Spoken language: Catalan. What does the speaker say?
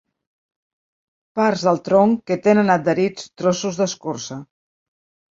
Parts del tronc que tenen adherits trossos d'escorça.